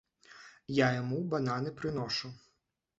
Я яму бананы прыношу.